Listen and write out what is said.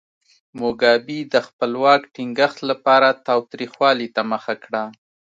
موګابي د خپل واک ټینګښت لپاره تاوتریخوالي ته مخه کړه.